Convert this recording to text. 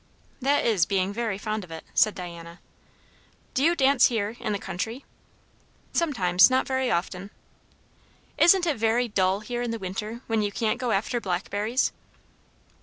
"That is being very fond of it," said Diana. "Do you dance her, in the country?" "Sometimes; not very often." "Isn't it very dull here in the winter, when you can't go after blackberries?"